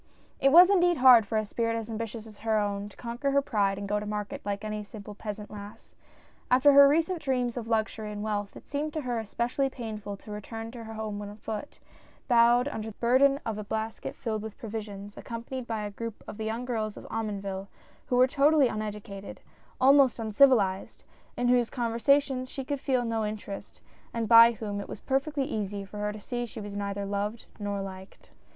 It was indeed hard for a spirit as ambitious as her own, to conquer her pride and go to market like any simple peasant lass ; after her recent dreams of luxury and wealth it seemed to her especially painful to return to her home on foot — bowed under the burden of a basket filled with provisions — accompanied by a group of the young girls of Omonville who were totally uneducated — almost uncivilized — in whose conversa tion she could feel no interest, and by whom it was perfectly easy for her to see she was neither loved nor liked.